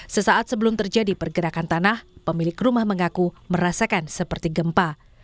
sesaat sebelum terjadi pergerakan tanah pemilik rumah mengaku merasakan seperti gempa